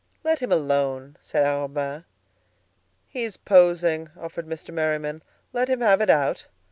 "Let him alone," said Arobin. "He's posing," offered Mr. Merriman; "let him have it out."